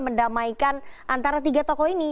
mendamaikan antara tiga tokoh ini